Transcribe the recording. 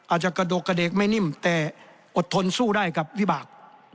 กระดกกระเด็กไม่นิ่มแต่อดทนสู้ได้กับวิบาก